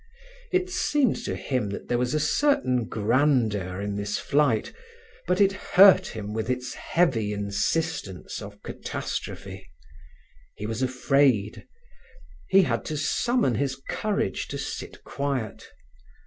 It seemed to him there was a certain grandeur in this flight, but it hurt him with its heavy insistence of catastrophe. He was afraid; he had to summon his courage to sit quiet.